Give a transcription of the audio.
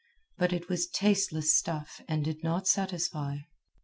But it was tasteless stuff and did not satisfy.